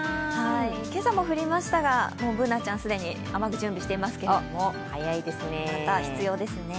今朝も降りましたがＢｏｏｎａちゃん、雨具、準備してますけれどもまた必要ですね。